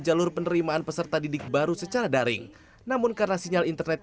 jadi loading dulu gitu kalau lewat